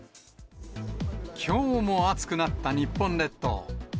きょうも暑くなった日本列島。